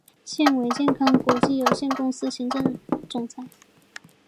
现为健康国际有限公司行政总裁。